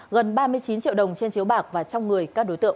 gần ba mươi chín triệu đồng trên chiếu bạc và trong người các đối tượng